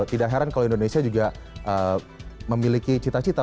tidak heran kalau indonesia juga memiliki cita cita